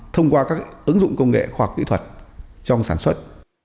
thông qua các ứng dụng công nghệ khoa học kỹ thuật trong sản xuất